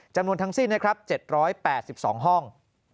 จำนวนทั้งสิ้นนะครับ๗๘๒ห้อง